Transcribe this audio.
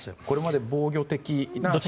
これまで防御的な。